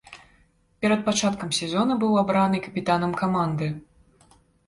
Перад пачаткам сезона быў абраны капітанам каманды.